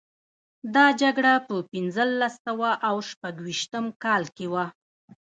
دا جګړه په پنځلس سوه او شپږویشتم کال کې وه.